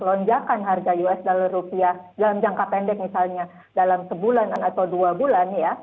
lonjakan harga usd rupiah dalam jangka pendek misalnya dalam sebulan atau dua bulan ya